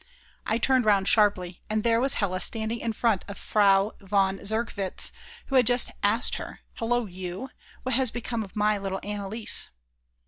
I turned round sharply, and there was Hella standing in front of Frau von Zerkwitz who had just asked her: "Hullo, you, what has become of my little Anneliese?"